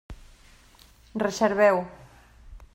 Reserveu-ho.